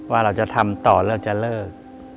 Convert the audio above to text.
ว่าเราจะทำต่อเราจะเลิก